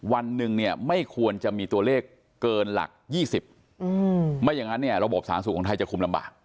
วันหนึ่งเนี่ยไม่ควรจะมีตัวเลขเกินหลัก๒๐ไม่อย่างนั้นเนี่ยระบบสาธารณสุขของไทยจะคุมลำบาก